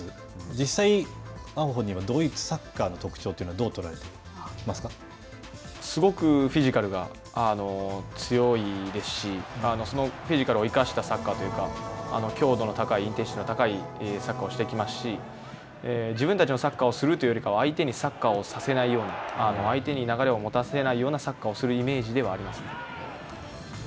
実際碧はドイツサッカーの特徴というのはすごくフィジカルが強いですし、そのフィジカルを生かしたサッカーというか、強度の高いサッカーをしてきますし、自分たちのサッカーをするということよりも相手にサッカーをさせないように、相手に流れを持たせないようなサッカーをするようなイメージではあります。